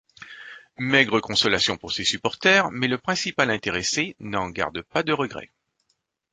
Maigre consolation pour ses supporters, mais le principal intéressé n'en garde pas de regrets.